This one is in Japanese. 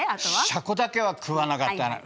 シャコだけは食わなかった。